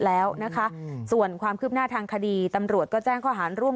แล้วนะคะส่วนความคืบหน้าทางคดีตำรวจก็แจ้งข้อหารร่วม